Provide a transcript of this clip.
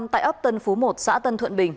tại ấp tân phú một xã tân thuận bình